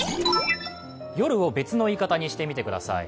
夜を別の言い方にしてみてください。